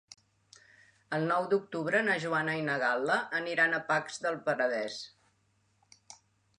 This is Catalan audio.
El nou d'octubre na Joana i na Gal·la aniran a Pacs del Penedès.